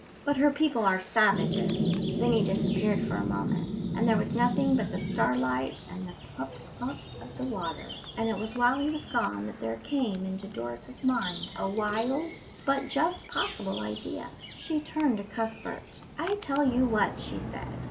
"But her people are savages." Then he disappeared for a moment, and there was nothing but the starlight and the clup, clup of the water; and it was while he was gone that there came into Doris's mind a wild but just possible idea. She turned to Cuthbert. "I tell you what," she said.